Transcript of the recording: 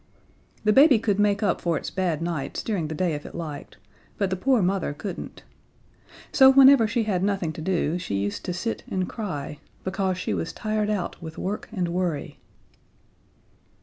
The baby could make up for its bad nights during the day if it liked, but the poor mother couldn't. So whenever she had nothing to do she used to sit and cry, because she was tired out with work and worry.